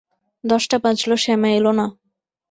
দশটা বাজল শ্যামা এল না।